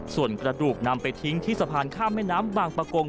ส่วนกระดูกนำไปทิ้งที่สะพานข้ามแม่น้ำบางประกง